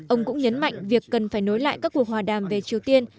ông cũng nhấn mạnh việc cần phải nối lại các cuộc hòa đàm về triều tiên